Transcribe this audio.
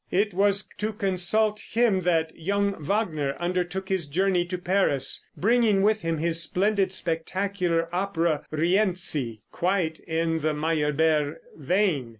It was to consult him that young Wagner undertook his journey to Paris, bringing with him his splendid spectacular opera "Rienzi," quite in the Meyerbeer vein.